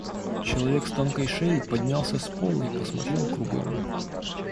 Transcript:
Человек с тонкой шеей поднялся с пола и посмотрел кругом.